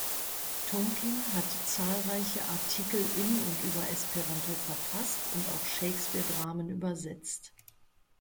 Tonkin hat zahlreiche Artikel in und über Esperanto verfasst und auch Shakespeare-Dramen übersetzt.